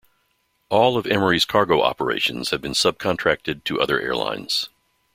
All of Emery's cargo operations have been subcontracted to other airlines.